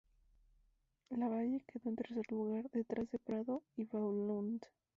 Lavalle quedó en tercer lugar, detrás de Prado y Belaunde.